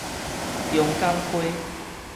中港河